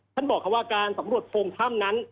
ฉันบอกว่าการสำรวจโทงท่ามนั้น